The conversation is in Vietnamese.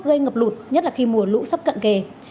gây ngập lụt nhất là khi mùa lũ sắp cận kề